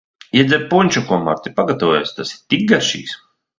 Iedzer punšu, ko Marta pagatavojusi, tas ir tik garšīgs.